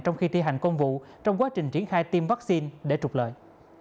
trong khi thi hành công vụ trong quá trình triển khai tiêm vaccine để trục lợi